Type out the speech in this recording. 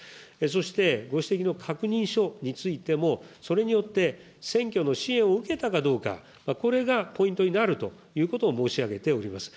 そしてご指摘の確認書についても、それによって選挙の支援を受けたかどうか、これがポイントになるということを申し上げております。